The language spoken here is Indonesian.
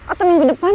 atau minggu depan